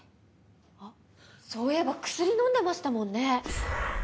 あっそういえば薬飲んでましたもんね。